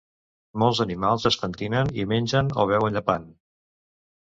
Molts animals es pentinen i mengen o beuen llepant.